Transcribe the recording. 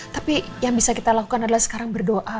tapi yang bisa kita lakukan adalah sekarang berdoa